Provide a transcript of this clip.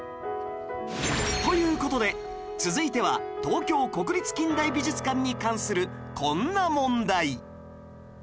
という事で続いては東京国立近代美術館に関するこんな問題